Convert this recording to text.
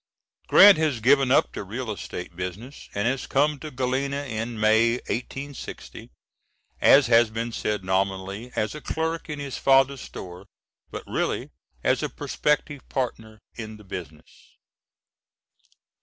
[Grant had given up the real estate business and had come to Galena in May, 1860, as has been said, nominally as a clerk in his father's store, but really as a prospective partner in the business.